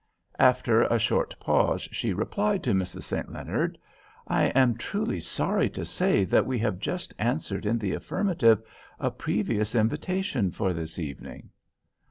After a short pause she replied to Mrs. St. Leonard—"I am truly sorry to say that we have just answered in the affirmative a previous invitation for this very evening."